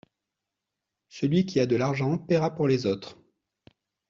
Celui qui a de l’argent paiera pour les autres.